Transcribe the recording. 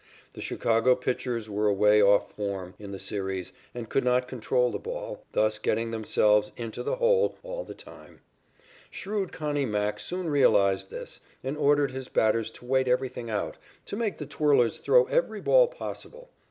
The Chicago pitchers were away off form in the series and could not control the ball, thus getting themselves "into the hole" all the time. Shrewd Connie Mack soon realized this and ordered his batters to wait everything out, to make the twirlers throw every ball possible.